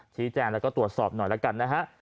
ชี้แจงแล้วก็ตรวจสอบหน่อยแล้วกันนะฮะ